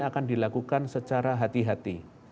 akan dilakukan secara hati hati